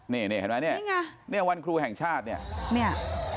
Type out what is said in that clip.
นี่เห็นไหมเนี่ยวันครูแห่งชาติเนี่ย